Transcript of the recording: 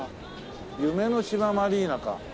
夢の島マリーナか。